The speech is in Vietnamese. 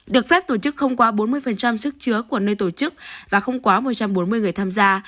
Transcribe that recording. được phép tổ chức không quá bốn mươi sức chứa của nơi tổ chức và không quá một trăm bốn mươi người tham gia